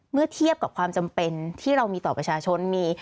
เมื่อเทียบกับความจำเป็นที่เรามีต่อประชาชนมี